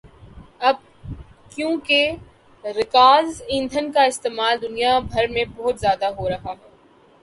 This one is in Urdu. اب چونکہ رکاز ایندھن کا استعمال دنیا بھر میں بہت زیادہ ہورہا ہے